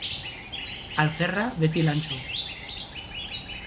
Alferra beti lantsu.